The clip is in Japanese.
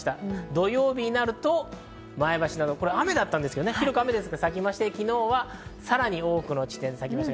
土曜日になると、前橋など雨だったんですけどね、咲きまして、昨日はさらに多くの地点で咲きました。